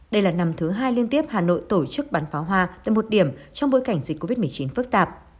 đây là năm thứ hai liên tiếp hà nội tổ chức bán pháo hoa tại một điểm trong bối cảnh dịch covid một mươi chín phức tạp